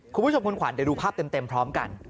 คุณผู้ชมคุณขวัญเดี๋ยวดูภาพเต็มพร้อมกัน